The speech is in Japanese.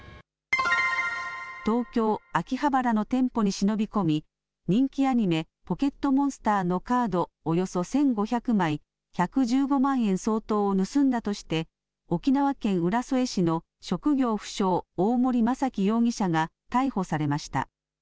東京秋葉原の店舗に忍び込み人気アニメ、ポケットモンスターのカードおよそ１５００枚、１１５万円相当を盗んだとして沖縄県浦添市の職業不詳、大森正樹容疑者が逮捕されました。